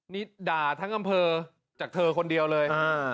นี่ด่าทั้งอำเภอจากเธอคนเดียวเลย